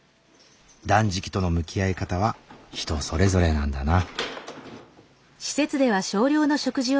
断食との向き合い方は人それぞれなんだな。